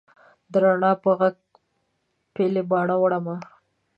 د رڼا په ږغ پیلې باڼه وړمه